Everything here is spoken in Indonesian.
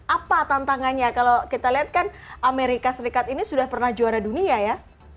apa tantangannya kalau kita lihat kan amerika serikat ini sudah pernah juara dunia ya